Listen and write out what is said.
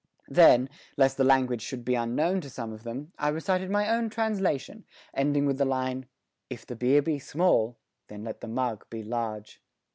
Then, lest the language should be unknown to some of them, I recited my own translation, ending with the line If the beer be small, then let the mug be large.